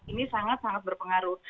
ini sangat sangat berpengaruh